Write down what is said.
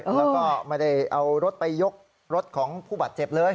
แล้วก็ไม่ได้เอารถไปยกรถของผู้บาดเจ็บเลย